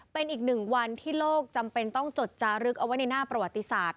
เป็นอีกหนึ่งวันที่โลกจำเป็นต้องจดจารึกเอาไว้ในหน้าประวัติศาสตร์